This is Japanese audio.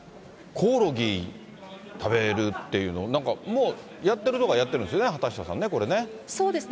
コオロギ食べるっていうの、なんかもう、やってるところはやってるんですよね、畑下さんね、これね。